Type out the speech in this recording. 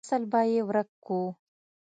نسل به يې ورک کو.